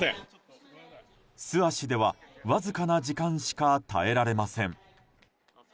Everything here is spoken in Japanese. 素足では、わずかな時間しか耐えられません。